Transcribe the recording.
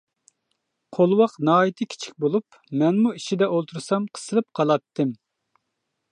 قولۋاق ناھايىتى كىچىك بولۇپ مەنمۇ ئىچىدە ئولتۇرسام قىسىلىپ قالاتتىم.